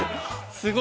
◆すごい。